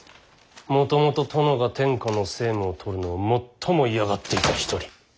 もともと殿が天下の政務を執るのを最も嫌がっていた一人。